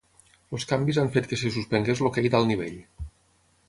Els canvis han fet que se suspengués l'hoquei d'alt nivell.